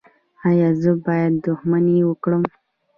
ایا زه باید دښمني وکړم؟